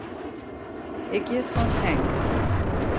Ik hjit fan Henk.